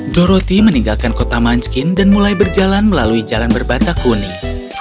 doroti meninggalkan kota munchkins dan mulai berjalan melalui jalan batak kuning